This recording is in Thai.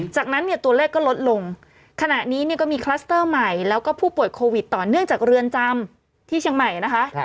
จากนั้นเนี่ยตัวเลขก็ลดลงขณะนี้เนี่ยก็มีคลัสเตอร์ใหม่แล้วก็ผู้ป่วยโควิดต่อเนื่องจากเรือนจำที่เชียงใหม่นะคะ